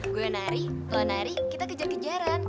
gue nari kalau nari kita kejar kejaran